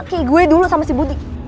ki gue dulu sama si budi